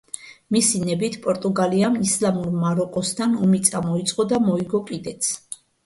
მისი ნებით პორტუგალიამ ისლამურ მაროკოსთან ომი წამოიწყო და მოიგო კიდეც.